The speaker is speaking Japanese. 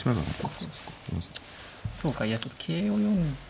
そうかいやちょっと桂を読んでて。